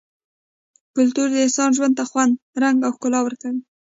کلتور د انسان ژوند ته خوند ، رنګ او ښکلا ورکوي -